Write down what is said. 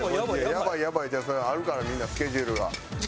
「やばいやばい」ってそりゃあるからみんなスケジュールが。